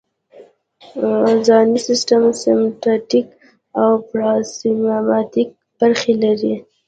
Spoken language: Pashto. ځانی سیستم سمپاتیتیک او پاراسمپاتیتیک برخې لري